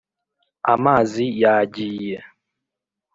amazi yagiye